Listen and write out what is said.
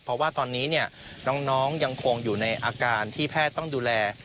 เพราะว่าตอนนี้น้องยังคงอยู่ในอาการที่แพทย์ต้องดูแล